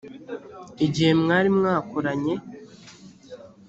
igihe mwari mwakoranye.